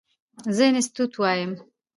زه انسټيټيوټ وایم.